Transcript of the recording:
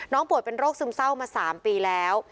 ป่วยเป็นโรคซึมเศร้ามา๓ปีแล้ว